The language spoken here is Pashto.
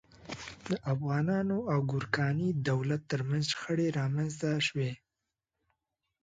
د افغانانو او ګورکاني دولت تر منځ شخړې رامنځته شوې.